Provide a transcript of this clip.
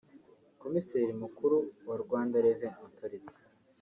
Komiseri mukuru wa Rwanda Revenue Authority